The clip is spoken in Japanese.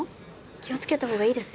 気を付けた方がいいですよ